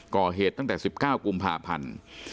ก่อเหตุตั้งแต่๑๙กุมภาพันธ์